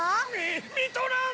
みとらん！